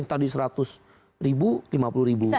tadi seratus ribu lima puluh ribu